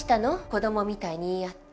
子供みたいに言い合って。